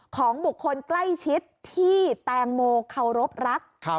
ของบุคคลใกล้ชิดที่แตงโมเคารพรัก